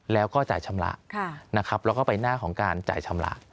แล้วก็จ่ายชำระนะครับแล้วก็ไปหน้าของการจ่ายชำระ